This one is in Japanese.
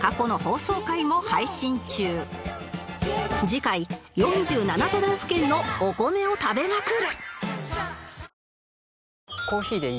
次回４７都道府県のお米を食べまくる！